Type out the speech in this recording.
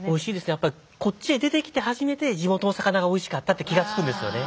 やっぱこっちへ出てきて初めて地元の魚がおいしかったって気が付くんですよね。